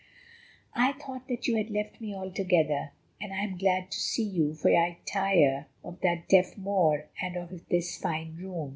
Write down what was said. "I thought that you had left me altogether, and I am glad to see you, for I tire of that deaf Moor and of this fine room.